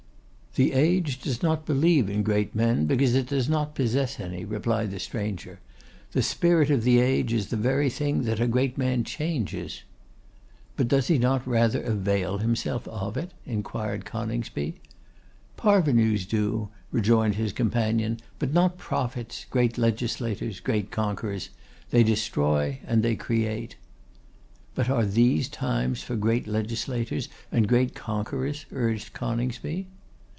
'The age does not believe in great men, because it does not possess any,' replied the stranger. 'The Spirit of the Age is the very thing that a great man changes.' 'But does he not rather avail himself of it?' inquired Coningsby. 'Parvenus do,' rejoined his companion; 'but not prophets, great legislators, great conquerors. They destroy and they create.' 'But are these times for great legislators and great conquerors?' urged Coningsby.